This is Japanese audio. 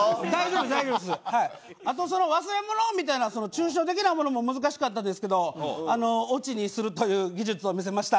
あとその「忘れ物」みたいな抽象的なものも難しかったですけどオチにするという技術を見せました。